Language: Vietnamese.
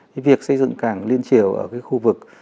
cái việc xây dựng cảng liên triều ở cái khu vực